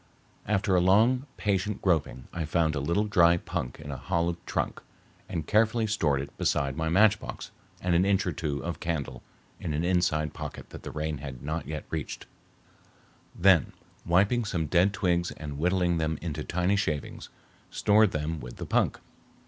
After long, patient groping I found a little dry punk in a hollow trunk and carefully stored it beside my matchbox and an inch or two of candle in an inside pocket that the rain had not yet reached; then, wiping some dead twigs and whittling them into thin shavings, stored them with the punk.